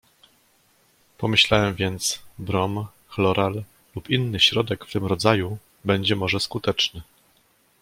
"Pomyślałem więc: brom, chloral lub inny środek w tym rodzaju będzie może skuteczny."